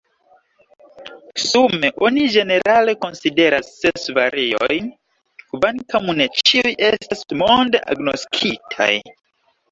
Sume oni ĝenerale konsideras ses variojn, kvankam ne ĉiuj estas monde agnoskitaj.